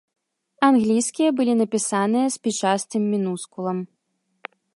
Англійскія былі напісаныя спічастым мінускулам.